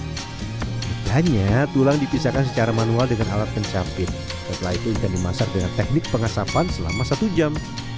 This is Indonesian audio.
setidaknya tulang dipisahkan secara manual dengan alat pencapit setelah itu ikan dimasak dengan teknik pengasapan selama satu jam